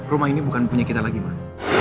rumah ini bukan punya kita lagi man